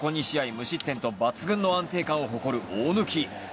無失点と抜群の安定感を誇る大貫。